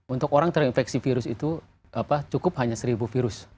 untuk orang terinfeksi virus itu cukup hanya seribu virus